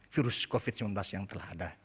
virus covid sembilan belas yang telah ada